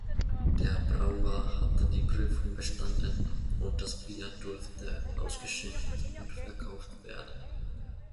Der Brauer hatte die Prüfung bestanden, und das Bier durfte ausgeschenkt und verkauft werden.